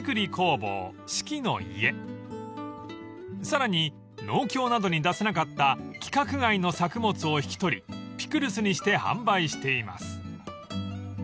［さらに農協などに出せなかった規格外の作物を引き取りピクルスにして販売しています］